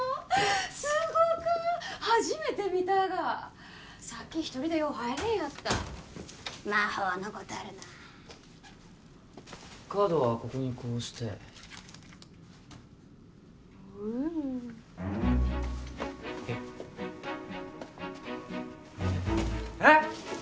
すごか初めて見たやがさっき一人でよう入れんやった魔法のごたるなあカードはここにこうしてウウーッえっえっ！？